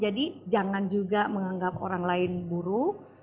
jadi jangan juga menganggap orang lain buruk